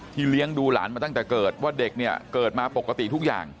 เลี้ยงดูหลานมาตั้งแต่เกิดว่าเด็กเนี่ยเกิดมาปกติทุกอย่าง